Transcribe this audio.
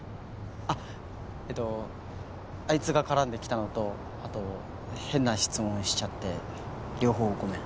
あっえーっとあいつが絡んできたのとあと変な質問しちゃって両方ごめん。